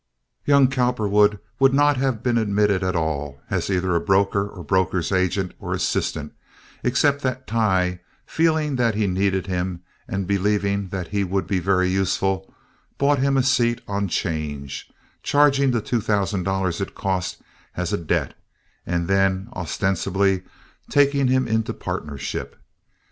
Young Cowperwood would not have been admitted at all, as either a broker or broker's agent or assistant, except that Tighe, feeling that he needed him and believing that he would be very useful, bought him a seat on 'change—charging the two thousand dollars it cost as a debt and then ostensibly taking him into partnership.